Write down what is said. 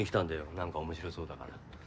何か面白そうだから。